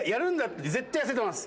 絶対痩せてます。